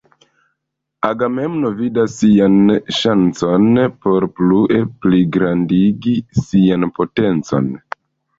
Agamemno vidas sian ŝancon por plue pligrandigi sian potencon.